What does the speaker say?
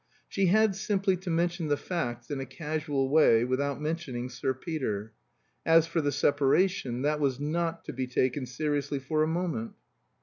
She had simply to mention the facts in a casual way, without mentioning Sir Peter. As for the separation, that was not to be taken seriously for a moment.